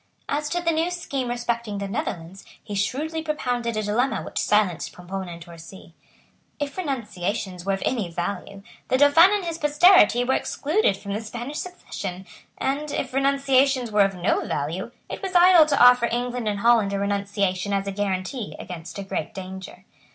As to the new scheme respecting the Netherlands, he shrewdly propounded a dilemma which silenced Pomponne and Torcy. If renunciations were of any value, the Dauphin and his posterity were excluded from the Spanish succession; and, if renunciations were of no value, it was idle to offer England and Holland a renunciation as a guarantee against a great danger.